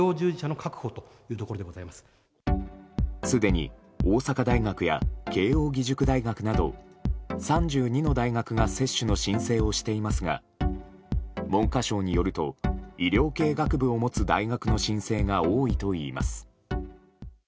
すでに大阪大学や慶應義塾大学など３２の大学が接種の申請をしていますが文科省によると医療系学部を持つ大学の申請が多いといいます。